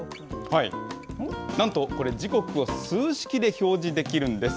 なんとこれ、時刻を数式で表示できるんです。